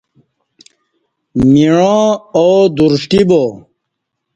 مِعاں آو دُرشٹی با